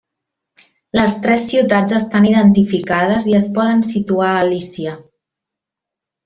Les tres ciutats estan identificades i es poden situar a Lícia.